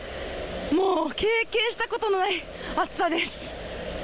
もう経験したことのない暑さです。